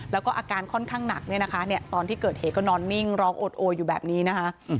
แล้วก็อาการค่อนข้างหนักเนี่ยนะคะตอนที่เกิดเหตุก็นอนนิ่งร้องโอดโออยู่แบบนี้นะคะ